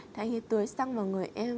thì anh ấy tưới xăng vào người em